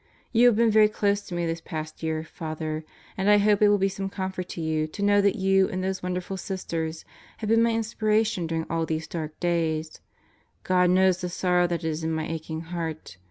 ... You have been very close to me this past year, Father, and I hope it will be some comfort to you to know that you and those wonderful Sisters have been my inspiration during all these dark days. ... God knows the sorrow that is in my aching heart.